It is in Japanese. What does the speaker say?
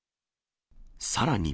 さらに。